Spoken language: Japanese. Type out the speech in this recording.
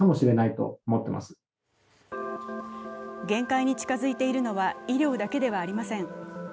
限界に近づいているのは医療だけではありません。